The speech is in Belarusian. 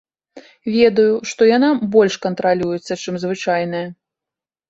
Ведаю, што яна больш кантралюецца, чым звычайная.